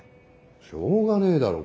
しょうがねえだろ。